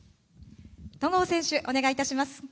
戸郷選手、お願いいたします。